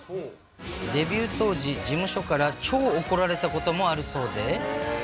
デビュー当時、事務所から超怒られたこともあるそうで。